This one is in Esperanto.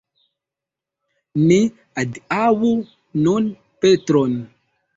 Ni adiaŭu nun Petron.